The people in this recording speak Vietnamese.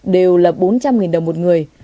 đều là bốn trăm linh đồng một người